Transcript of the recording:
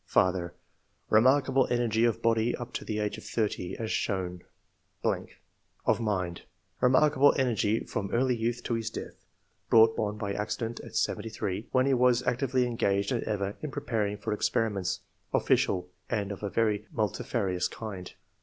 81 "Father — Remarkable energy of body up to the age of thirty, as shown Of mind — Remarkable energy from early youth to his death (brought on by accident at seventy three), when he was as actively engaged as ever in preparing for experiments [official and of a very multifarious kind].